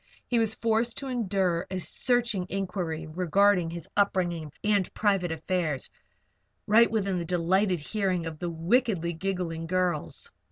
He was forced to endure a searching inquiry regarding his upbringing and private affairs, right within the delighted hearing of the wickedly giggling girls.